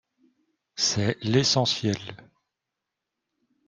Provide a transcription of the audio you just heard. C’est l’essentiel